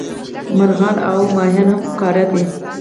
مارغان او کبونه هم فقاریه دي